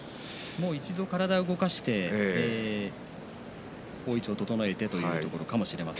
一度体を動かして大いちょうを整えて出るところかもしれません。